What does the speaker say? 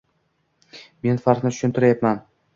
Men farqni tushuntiryapman.